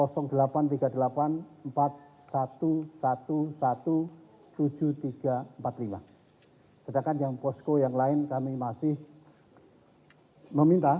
sedangkan yang posko yang lain kami masih meminta